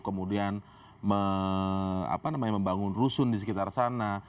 kemudian membangun rusun di sekitar sana